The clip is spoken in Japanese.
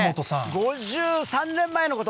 ５３年前のこと。